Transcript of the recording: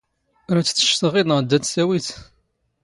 ⵔⴰⴷ ⵜ ⵜⵛⵛⴷ ⵖⵉⴷ ⵏⵖ ⴷ ⴰⴷ ⵜ ⵜⴰⵡⵉⴷ?